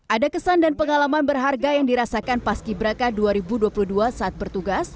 ada kesan dan pengalaman berharga yang dirasakan paski braka dua ribu dua puluh dua saat bertugas